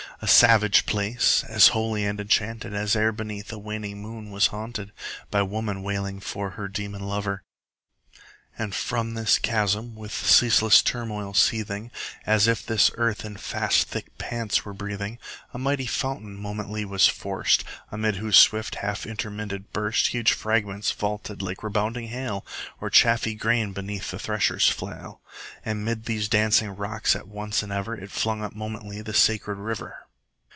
A savage place! as holy and enchanted As e'er beneath a waning moon was haunted 15 By woman wailing for her demon lover! And from this chasm, with ceaseless turmoil seething, As if this earth in fast thick pants were breathing, A mighty fountain momently was forced; Amid whose swift half intermitted burst 20 Huge fragments vaulted like rebounding hail, Or chaffy grain beneath the thresher's flail: And 'mid these dancing rocks at once and ever It flung up momently the sacred river.